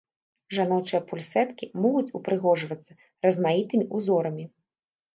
Жаночыя пульсэткі могуць упрыгожвацца размаітымі ўзорамі.